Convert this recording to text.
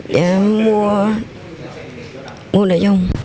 dạ mua mua đại dung